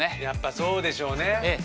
やっぱそうでしょうね